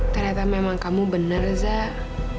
ternyata memang kamu benar zah